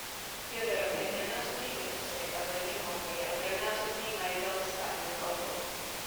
Fjodorov je trojnásobný Mistr světa v ledním hokeji a trojnásobný majitel Stanley Cupu.